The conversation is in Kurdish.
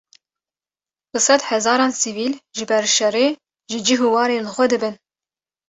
Bi sed hezaran sivîl, ji ber şerê, ji cih û warên xwe dibin